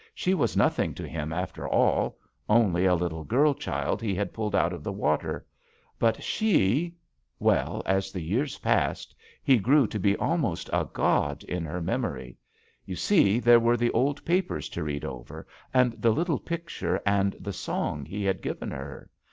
She was nothing to him, after all ; only a little girl child he had pulled out of the water. But she — well, as the years passed, he grew to be almost a god, in her memory. You see there were the old papers to read over, and the little picture, and the song he had given her.